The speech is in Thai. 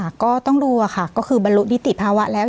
ก็ต้องดูอะค่ะก็คือบรรลุนิติภาวะแล้ว